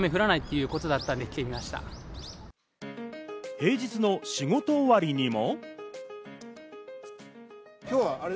平日の仕事終わりにも。